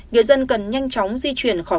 người dân cần nhanh chóng di chuyển khỏi